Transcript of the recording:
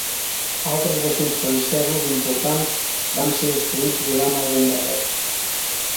Altres vaixells francesos importants van ser destruïts durant el bombardeig.